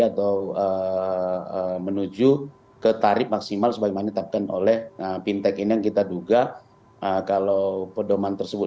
atau menuju ke tarif maksimal sebagai manetapkan oleh pintek ini kita juga kalau pedoman tersebut